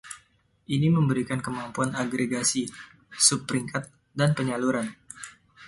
Ini memberikan kemampuan agregasi, sub-peringkat, dan penyaluran.